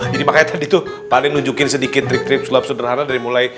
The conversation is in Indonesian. jadi makanya tadi tuh paling nunjukin sedikit trik trik sulap sederhana dari mulai